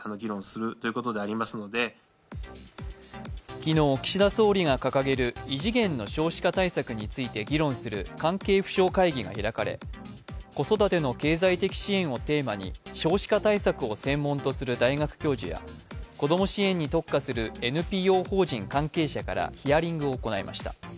昨日、岸田総理が掲げる異次元の少子化対策について議論する関係府省会議が開かれ子育ての経済的支援をテーマに少子化対策を専門とする大学教授や子ども支援に特化するＮＰＯ法人関係者からヒアリングを行いました。